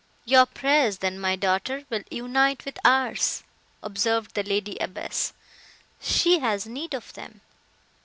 "Your prayers then, my daughter, will unite with ours," observed the lady abbess, "she has need of them."